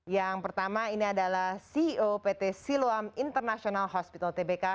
yang pertama ini adalah ceo pt siloam international hospital tbk